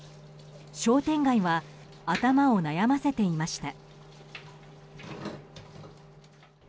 商店街は頭を悩ませていました。